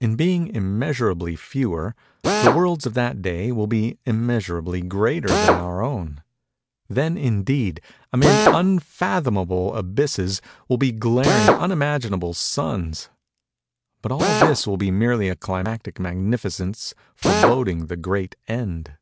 In being immeasurably fewer, the worlds of that day will be immeasurably greater than our own. Then, indeed, amid unfathomable abysses, will be glaring unimaginable suns. But all this will be merely a climacic magnificence foreboding the great End.